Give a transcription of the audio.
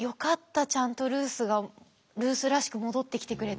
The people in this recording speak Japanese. ちゃんとルースがルースらしく戻ってきてくれて。